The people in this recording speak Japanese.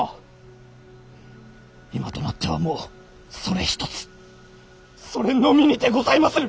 今となってはもうそれ一つそれのみにてございまする。